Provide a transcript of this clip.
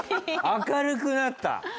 明るくなった。